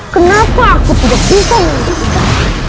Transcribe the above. kenapa aku tidak bisa menentukan